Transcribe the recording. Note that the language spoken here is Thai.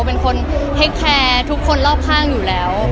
เป็นคนให้แคร์ทุกคนรอบข้างอยู่แล้ว